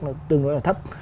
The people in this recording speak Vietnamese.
nó tương đối là thấp